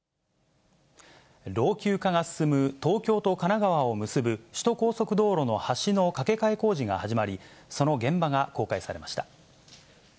老朽化が進む東京と神奈川を結ぶ首都高速道路の橋の架け替え工事が始まり、その現場が公開されました。